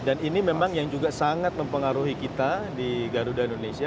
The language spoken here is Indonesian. dan ini memang yang juga sangat mempengaruhi kita di garuda indonesia